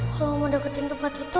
semua mau deketin tempat itu